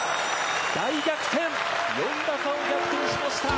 大逆転、４打差を逆転しました！